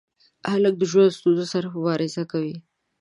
هلک د ژوند ستونزو سره مبارزه کوي.